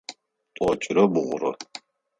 Тӏокӏырэ бгъурэ.